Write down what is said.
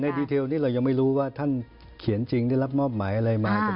ดีเทลนี้เรายังไม่รู้ว่าท่านเขียนจริงได้รับมอบหมายอะไรมา